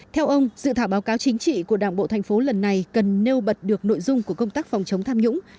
theo ông dự thảo báo cáo chính trị của đảng bộ thành phố lần này cần nêu bật được nội dung của công tác phòng chống tham nhũng